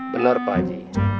benar pak haji